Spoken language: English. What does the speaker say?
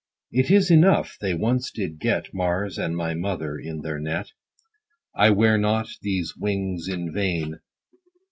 It is enough, they once did get 5 Mars and my mother, in their net : I wear not these my wings in vain.